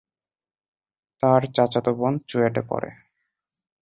তার চাচাতো বোন চুয়েটে পড়ে।